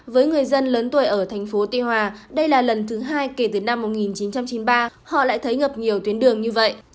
với người dân lớn tuổi ở thành phố tuy hòa đây là lần thứ hai kể từ năm một nghìn chín trăm chín mươi ba họ lại thấy ngập nhiều tuyến đường như vậy